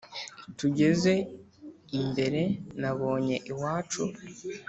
tugeze imbere nabonye iwacu